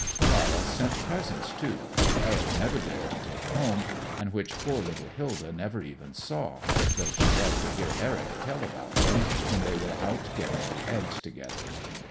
Clara sent presents, too, which Eric never dared to take home and which poor little Hilda never even saw, though she loved to hear Eric tell about them when they were out getting the eggs together.